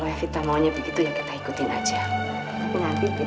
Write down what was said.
gravrooms nya itu tujuanku